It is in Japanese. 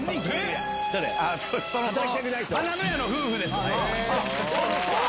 花の家の夫婦です。